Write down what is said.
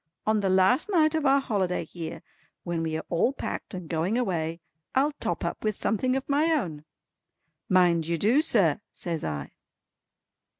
On the last night of our holiday here when we are all packed and going away, I'll top up with something of my own." "Mind you do sir" says I.